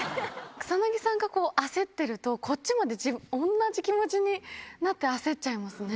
草薙さんが焦ってると、こっちまで、おんなじ気持ちになって、焦っちゃいますね。